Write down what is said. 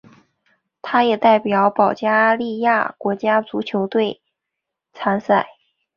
他也代表保加利亚国家足球队参赛。